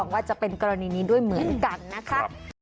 ว่าจะเป็นกรณีนี้ด้วยเหมือนกันนะคะ